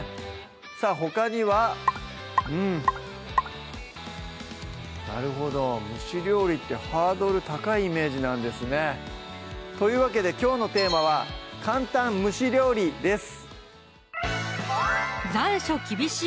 さぁほかにはうんなるほど蒸し料理ってハードル高いイメージなんですねというわけできょうのテーマは「カンタン！蒸し料理」です